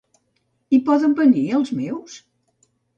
Hi poden venir els meus?